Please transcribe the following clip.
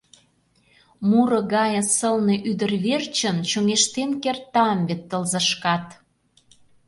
Муро гае сылне ÿдыр верчын чоҥештен кертам вет тылзышкат.